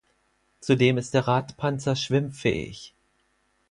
Zudem ist der Radpanzer schwimmfähig.